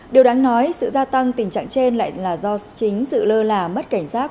điều đáng nói sự gia tăng tình trạng trên lại là do chính sự lơ là mất cảnh giác